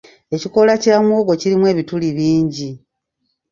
Ekikola kya muwogo kirimu ebituli bingi.